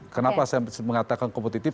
kenapa saya mengatakan kompetitif